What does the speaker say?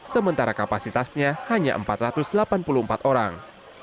sementara kapasitasnya hanya empat ratus delapan puluh empat orang